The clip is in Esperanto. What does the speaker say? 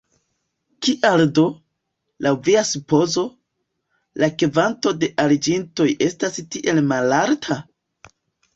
Kial do, laŭ via supozo, la kvanto de aliĝintoj estas tiel malalta?